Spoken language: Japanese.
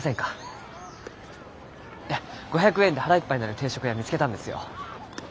５００円で腹いっぱいになる定食屋見つけたんですよ。